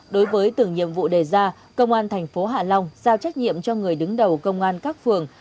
đối với từng nhiệm vụ đề ra công an thành phố hạ long giao trách nhiệm cho người đứng đầu công an các phường